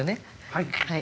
はい。